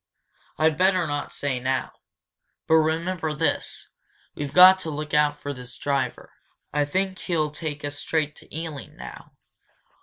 "I'd better not say now. But remember this we've got to look out for this driver. I think he'll take us straight to Ealing now.